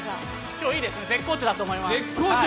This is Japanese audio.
今日いいです絶好調だと思います。